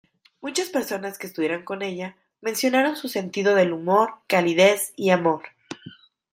Muchas personas que estudiaron con ella mencionaron su sentido del humor, calidez y amor.